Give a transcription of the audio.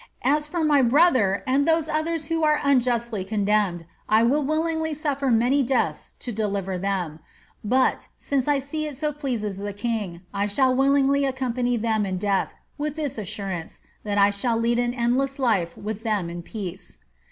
As for my brother and those others who are unjustly condemned, I would willingly suffer many deaths to deliver them ; but, since I see it so pleases the king, I shall willingly accompany them in death, with this assurance, tliat I shall lead an endless life with them in peace."